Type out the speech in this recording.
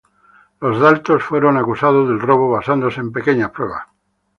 Los Dalton fueron acusados del robo, basándose en pequeñas pruebas.